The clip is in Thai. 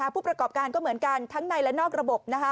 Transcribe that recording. ผู้ประกอบการก็เหมือนกันทั้งในและนอกระบบ